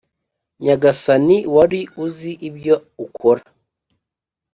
nyagasani, wari uzi ibyo ukora,